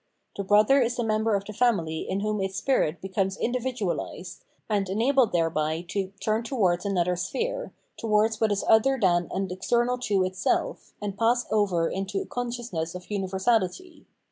The brother is the member of the family in whom its spirit becomes individualised, and enabled thereby to turn towards another sphere, towards what is other than and external to itself, and pass over into consciousness of universality.